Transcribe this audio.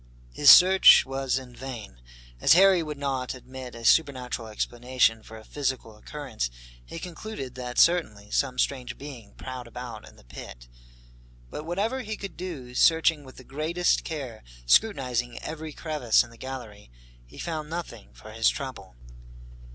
His search was in vain. As Harry would not admit a supernatural explanation for a physical occurrence, he concluded that certainly some strange being prowled about in the pit. But whatever he could do, searching with the greatest care, scrutinizing every crevice in the gallery, he found nothing for his trouble.